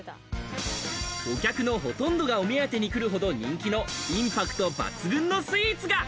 お客のほとんどがお目当てに来るほどの人気のインパクト抜群のスイーツが。